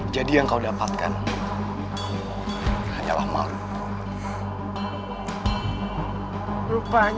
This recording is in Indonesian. jadi yang kau dapatkan adalah malu